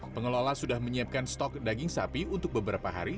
pengelola sudah menyiapkan stok daging sapi untuk beberapa hari